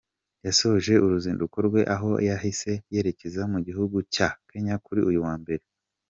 Yasoje uruzinduko rwe aho yahise yerekeza mu gihugu cya Kenya kuri uyu wa mbere.